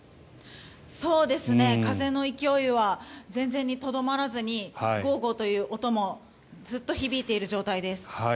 風の勢いは全然収まらずにゴーゴーという音もずっと響いている状態です。